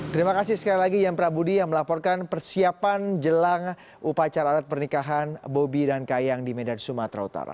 terima kasih sekali lagi yam prabudi yang melaporkan persiapan jelang upacara adat pernikahan bobi dan kayang di medan sumatera utara